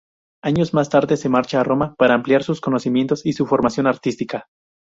Años más tarde marcha a Roma para ampliar sus conocimientos y su formación artística.